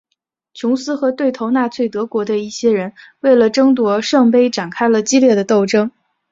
琼斯和对头纳粹德国的一些人为了争夺圣杯展开了激烈的斗争。